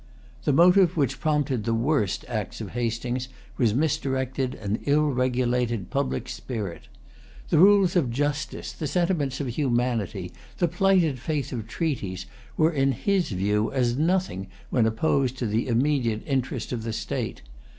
The motive which prompted the worst[Pg 202] acts of Hastings was misdirected and ill regulated public spirit. The rules of justice, the sentiments of humanity, the plighted faith of treaties, were in his view as nothing when opposed to the immediate interest of the state.